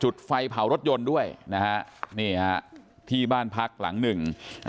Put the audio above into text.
ไฟเผารถยนต์ด้วยนะฮะนี่ฮะที่บ้านพักหลังหนึ่งอ่า